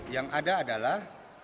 yang ada adalah